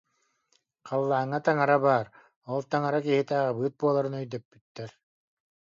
Халлааҥҥа таҥара баар, ол таҥара киһитэ аҕабыыт буоларын өйдөппүттэр